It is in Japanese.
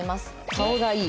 「顔がいい」。